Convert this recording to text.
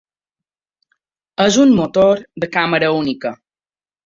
És un motor de càmera única.